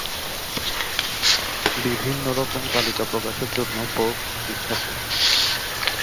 বিভিন্ন রকম তালিকা প্রকাশের জন্য ফোর্বস বিখ্যাত।